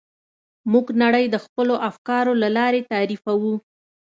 موږ نړۍ د خپلو افکارو له لارې تعریفوو.